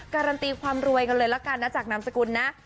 การันตีความรวยกันเลยละกันนะจากนามสกุลนะ